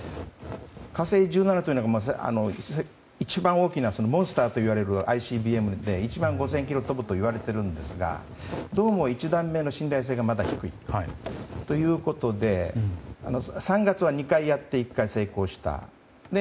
「火星１７」というのは一番大きなモンスターといわれるＩＣＢＭで１万５０００ｋｍ飛ぶといわれていますがどうも、１段目の信頼性がまだ低いということで３月は２回やって１回成功した。